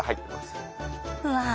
うわ。